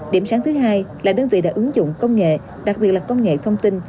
điểm sáng thứ hai là đơn vị đã ứng dụng công nghệ đặc biệt là công nghệ thông tin